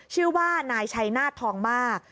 ชื่อว่านายชัยนาธทองมาก